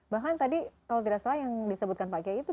bahkan tadi kalau tidak salah yang disebutkan pak kiai itu